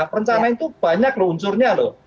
perencanaan itu banyak loh unsurnya loh